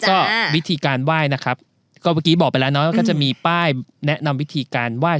ก็วิธีการไหว้นะครับก็เมื่อกี้บอกไปแล้วเนาะว่าก็จะมีป้ายแนะนำวิธีการไหว้